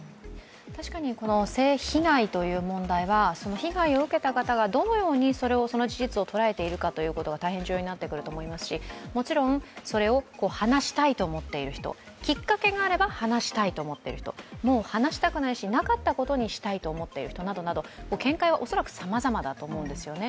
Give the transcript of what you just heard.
確かに性被害という問題は被害を受けた方がどのようにそれをその事実を捉えているかということが、大変重要になってくると思いますしもちろんそれを話したいと思っている人、きっかけがあれば話したいと思っている人、もう話したくないし、なかったことにしたいと思っている人などなど見解は恐らくさまざまだと思うんですよね。